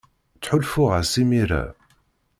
Ttḥulfuɣ-as imir-a.